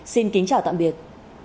xin kính chào tạm biệt